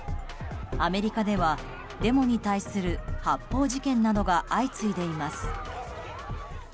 アメリカではデモに対する発砲事件などが相次いでいます。